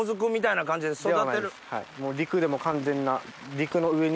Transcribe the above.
陸で完全な。